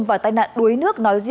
và tài nạn đuối nước